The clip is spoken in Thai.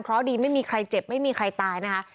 เพราะดีไม่มีใครเจ็บไม่มีใครตายนะคะ